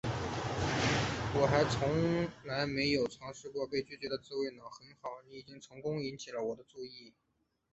我还从来没有尝试过被拒绝的滋味呢，很好，你已经成功地引起我的注意了